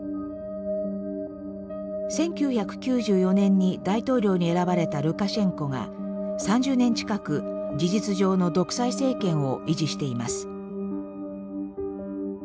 １９９４年に大統領に選ばれたルカシェンコが３０年近く事実上の独裁政権を維持しています。